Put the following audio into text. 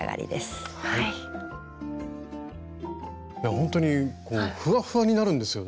ほんとにふわふわになるんですよね